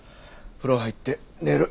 風呂入って寝る。